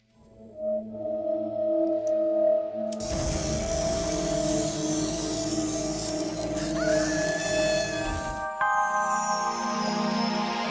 siapa yang mandi